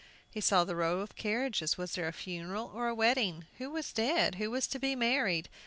He saw the row of carriages. Was there a funeral, or a wedding? Who was dead? Who was to be married?